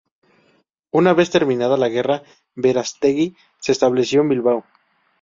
Una vez terminada la guerra Verástegui se estableció en Bilbao.